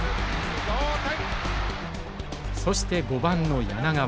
そして５番の柳川。